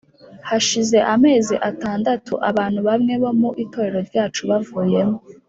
Hashize amezi atandatu abantu bamwe bo mu itorero ryacu bavuyemo